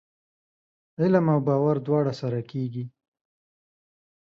علم او باور دواړه سره کېږي ؟